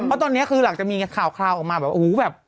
เพราะตอนนี้คือหลังจากมีข่าวออกมาแบบโอ้โหแบบ